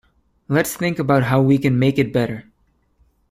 Let's think about how we can make it better.